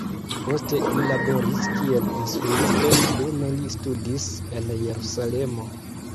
Poste li laboris kiel instruisto, dume li studis en Jerusalemo.